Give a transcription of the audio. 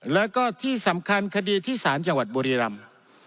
แล้วก็ที่สำคัญคดีที่ศาลจังหวัดบุรีรำ